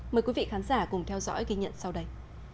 mời quý vị khán giả cùng theo dõi ghi nhận sau đây